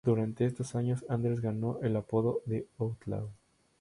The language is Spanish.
Durante estos años, Anders ganó el apodo "The Outlaw.